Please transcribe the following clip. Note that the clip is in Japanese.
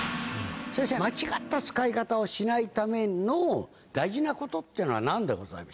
先生、間違った使い方をしないための大事なことってのはなんでございま